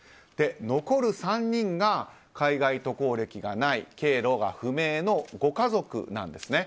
残る３人が、海外渡航歴がない経路が不明のご家族なんですね。